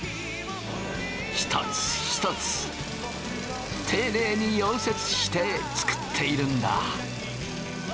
一つ一つていねいに溶接して作っているんだ。